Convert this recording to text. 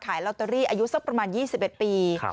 ขายลอตเตอรี่อายุสักประมาณ๒๑ปี